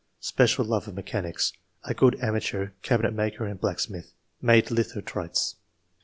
"Special love of mechanics; a good amateur cabinet maker and blacksmith. Made lithotrites."